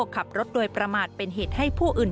ขับรถโดยประมาทเป็นเหตุให้ผู้อื่น